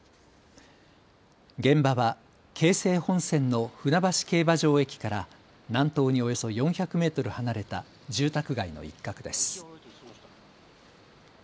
現場は京成本線の船橋競馬場駅から南東におよそ４００メートル離れた住宅街の一角です。